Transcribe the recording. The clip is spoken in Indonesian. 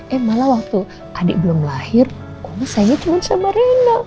eh malah waktu adik belum lahir oma sayangnya cuma sama rena